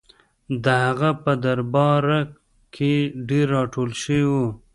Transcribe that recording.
د هغه په درباره کې ډېر راټول شوي وو.